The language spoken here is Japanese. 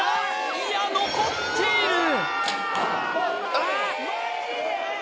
いや残っているあっ